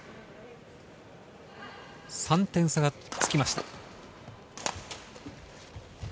３点差がつきました。